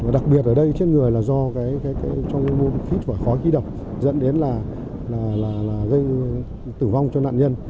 đặc biệt ở đây chết người là do trong môn khí thuở khói ký độc dẫn đến là gây tử vong cho nạn nhân